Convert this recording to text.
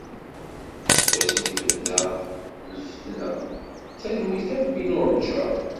Seg wasmi tebda lfetna, d talwit akk i nuṛǧa.